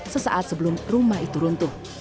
sesaat sebelum rumah itu runtuh